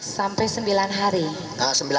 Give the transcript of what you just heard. sampai sembilan hari